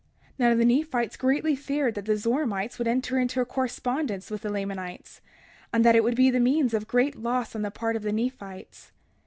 31:4 Now the Nephites greatly feared that the Zoramites would enter into a correspondence with the Lamanites, and that it would be the means of great loss on the part of the Nephites.